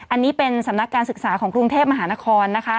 อันนี้เป็นสำนักการศึกษาของกรุงเทพมหานครนะคะ